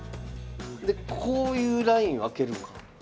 でこういうラインあけるのか。